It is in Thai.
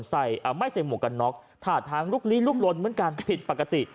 ไม่เสียงหมวกกันน็อกถาดทางลุกลีลุกลนเหมือนการกระติดปกติ